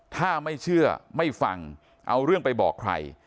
ถ้าไม่เชื่อไม่ฟังเอาเรื่องไปบอกใคร